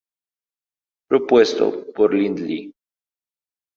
Propuesto por Lindley.